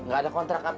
gak ada kontrak kpp